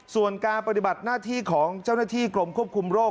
ส่วนการปฏิบัติหน้าที่ของเจ้าหน้าที่กรมควบคุมโรค